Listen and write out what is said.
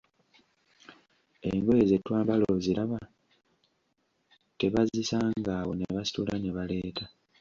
Engoye ze twambala oziraba, tebazisanga awo ne basitula ne baleeta.